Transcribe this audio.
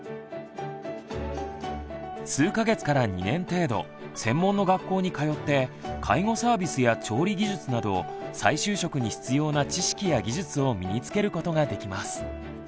数か月から２年程度専門の学校に通って介護サービスや調理技術など再就職に必要な知識や技術を身につけることができます。